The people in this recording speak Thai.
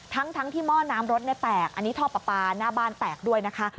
ทั้งที่หม้อน้ำรถแตกอันนี้ท่อปลาปลาหน้าบ้านแตกด้วยนะคะ